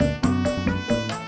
ini yang namanya ojak